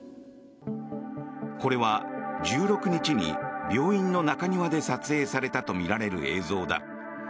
これは１６日に病院の中庭で撮影されたとみられる映像だ。